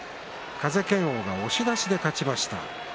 風賢央、押し出しで勝ちました。